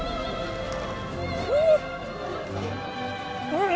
うん！